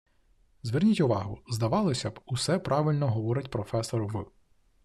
Зверніть увагу: здавалося б, усе правильно говорить професор В